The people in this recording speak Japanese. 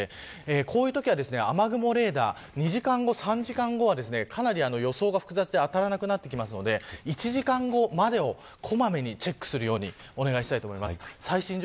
こういうときは、雨雲レーダーは２時間後、３時間後はかなり予想が複雑で当たらなくなってくるので１時間後までを、小まめにチェックするようにお願いします。